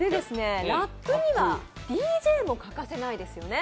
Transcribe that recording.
ラップにはＤＪも欠かせないですよね。